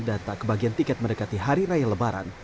dan tak kebagian tiket mendekati hari raya lebaran